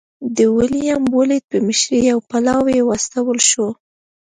د ویلیم بولېټ په مشرۍ یو پلاوی واستول شو.